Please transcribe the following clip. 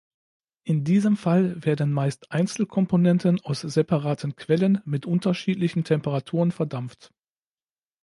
In diesem Fall werden meist Einzelkomponenten aus separaten Quellen mit unterschiedlichen Temperaturen verdampft.